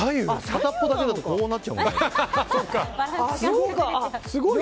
片っぽだけだとこうなっちゃうもん。